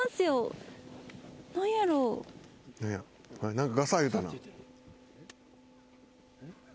何か「ガサッ」いうたな。